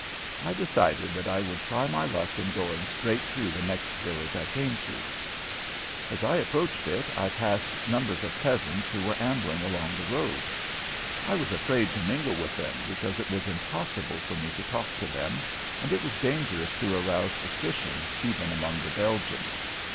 I decided that I would try my luck in going straight through the next village I came to. As I approached it I passed numbers of peasants who were ambling along the road. I was afraid to mingle with them because it was impossible for me to talk to them and it was dangerous to arouse suspicion even among the Belgians.